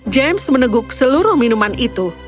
james meneguk seluruh minuman itu